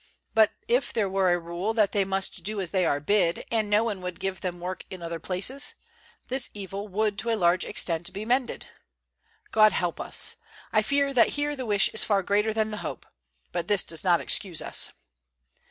But if there were a rule that they must do as they are bid, and no one would give them work in other places, this evil would to a large extent be mended. God help us! I fear that here the wish is far greater than the hope; but this does not excuse us.